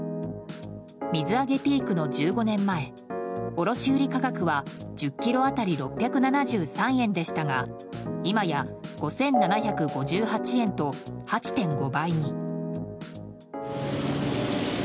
水揚げピークの１５年前卸売価格は１０ｋｇ当たり６７３円でしたが今や５７５８円と８．５倍に。